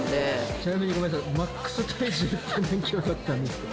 ちなみにごめんなさい、マックス体重はいくらだったんですか。